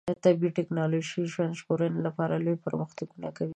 طبي ټکنالوژي د ژوند ژغورنې لپاره لوی پرمختګونه کوي.